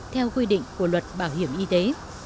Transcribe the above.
theo quy định của luật bảo hiểm y tế